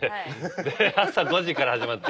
で朝５時から始まって。